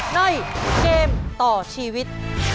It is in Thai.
ในเกมต่อชีวิต